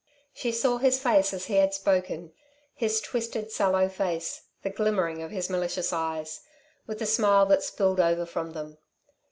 She saw his face as he had spoken, his twisted, sallow face, the glimmering of his malicious eyes, with the smile that spilled over from them.